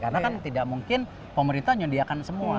karena kan tidak mungkin pemerintah menyediakan semua